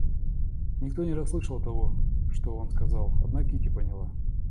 Никто не расслышал того, что он сказал, одна Кити поняла.